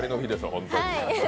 本当に。